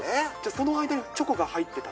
その間にチョコが入ってたら？